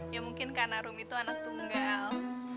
ya mungkin karena rumi tuh anak tunggal